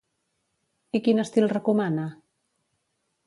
I quin estil recomana?